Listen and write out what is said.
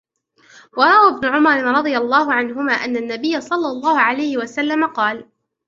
وَرَوَى ابْنُ عُمَرَ رَضِيَ اللَّهُ عَنْهُمَا أَنَّ النَّبِيَّ صَلَّى اللَّهُ عَلَيْهِ وَسَلَّمَ قَالَ